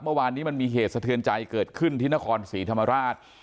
เมื่อวานนี้มันมีเหตุสะเทือนใจเกิดขึ้นที่นครศรีธรรมราช